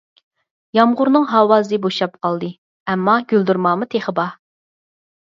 يامغۇرنىڭ ئاۋازى بوشاپ قالدى، ئەمما گۈلدۈرماما تېخى بار.